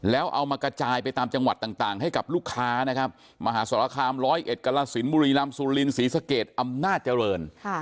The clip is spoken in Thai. แล้วเอามากระจายไปตามจังหวัดต่างให้กับลูกค้านะครับมหาสรคามร้อยเอ็ดกรสินบุรีรำสุรินศรีสะเกดอำนาจเจริญ